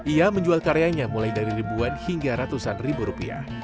ia menjual karyanya mulai dari ribuan hingga ratusan ribu rupiah